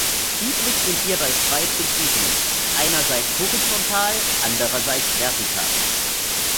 Üblich sind hierbei zwei Prinzipien: einerseits horizontal, andererseits vertikal.